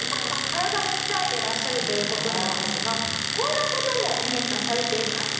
体も鍛えていらっしゃるという事なんですがこんな事もミエさんされています。